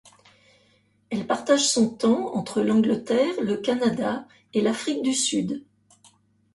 Elle partage son temps entre l'Angleterre, le Canada et l'Afrique du Sud.